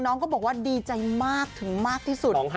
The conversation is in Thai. น้องก็บอกว่าดีใจมากถึงมากที่สุด